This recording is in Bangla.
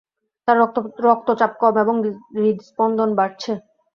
তার রক্তচাপ কম এবং হৃদস্পন্দন বাড়ছে।